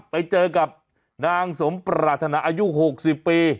ไปเจอกับนางสมปรารถนาอายุ๖๐ปี